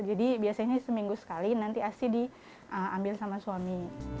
biasanya seminggu sekali nanti asi diambil sama suami